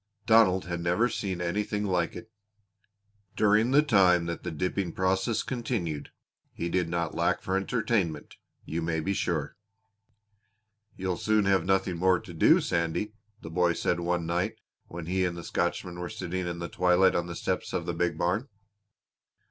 Donald had never seen anything like it. During the time that the dipping process continued he did not lack for entertainment, you may be sure. "You'll soon have nothing more to do, Sandy," the boy said one night when he and the Scotchman were sitting in the twilight on the steps of the big barn.